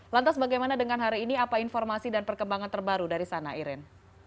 lantas bagaimana dengan hari ini apa informasi dan perkembangan terbaru dari sana irin